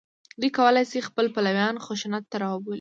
دوی کولای شي خپل پلویان خشونت ته راوبولي